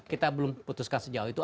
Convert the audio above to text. kita belum putuskan sejauh itu